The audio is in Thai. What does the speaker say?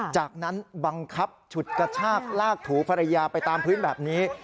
จากนั้นบังคับฉุดกระชากลากถูภรรยาไปตามพื้นแบบนี้